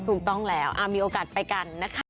ถูกต้องแล้วมีโอกาสไปกันนะคะ